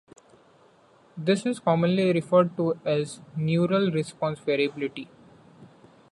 This is commonly referred to as neural response variability.